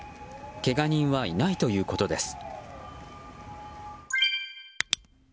けが人はいないということです。